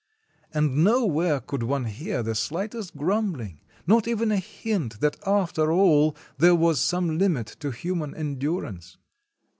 And nowhere could one hear the slightest grumbling, not even a hint that after all there was some limit to human endurance.